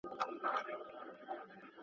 هغه میرمنې نه ازارولې.